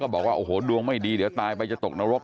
บอกว่าโอ้โหดวงไม่ดีเดี๋ยวตายไปจะตกนรก